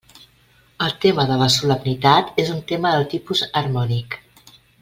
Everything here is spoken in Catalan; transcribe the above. El tema de la solemnitat és un tema de tipus harmònic.